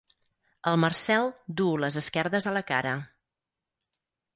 El Marcel duu les esquerdes a la cara.